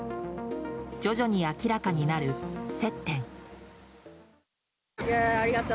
徐々に明らかになる、接点。